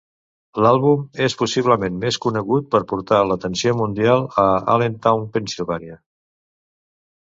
L'àlbum és possiblement més conegut per portar l'atenció mundial a Allentown, Pennsilvània.